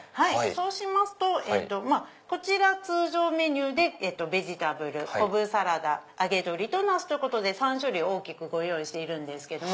そうしますとこちら通常メニューでベジタブルコブサラダ揚げ鶏とナスということで３種類大きくご用意しているんですけども。